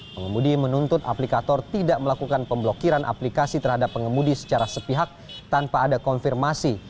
pengemudi menuntut aplikator tidak melakukan pemblokiran aplikasi terhadap pengemudi secara sepihak tanpa ada konfirmasi